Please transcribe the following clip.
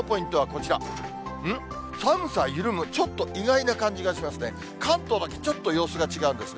ちょっと意外な感じがしますね。